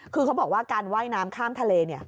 คือเขาบอกว่าการไหว้น้ำข้ามทะเลเนี่ย